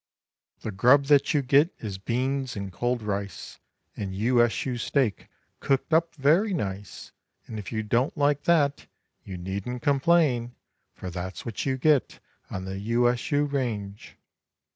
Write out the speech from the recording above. The grub that you get is beans and cold rice And U S U steak cooked up very nice; And if you don't like that you needn't complain, For that's what you get on the U S U range.